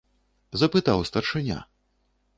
- запытаў старшыня.